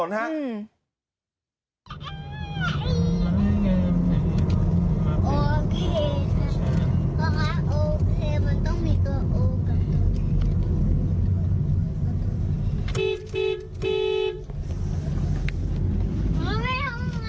โอเคนะนะคะโอเคมันต้องมีเกอร์โอกับตัวเนี้ย